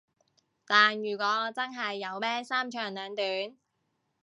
但如果我真係有咩三長兩短